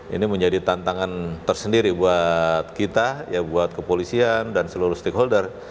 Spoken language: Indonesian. ini menjadi tantangan tersendiri buat kita ya buat kepolisian dan seluruh stakeholder